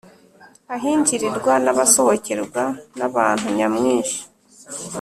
ahinjirirwa , nabasohokerwa n' abantu nyamwinshi